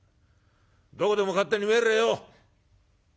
どこでも勝手に参れよ」。